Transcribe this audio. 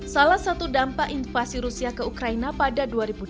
salah satu dampak invasi rusia ke ukraina pada dua ribu dua puluh dua